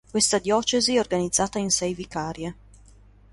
Questa diocesi è organizzata in sei vicarie.